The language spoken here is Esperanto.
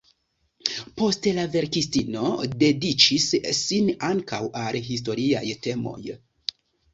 Poste, la verkistino dediĉis sin ankaŭ al historiaj temoj.